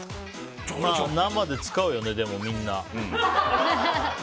生で使うよね、みんな。